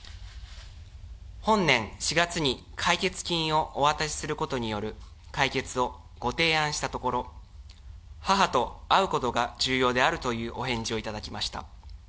本年４月に解決金をお渡しすることによる解決をご提案したところ、母と会うことが重要であるというお返事を頂きました。